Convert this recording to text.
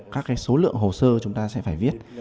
các số lượng hồ sơ chúng ta sẽ phải viết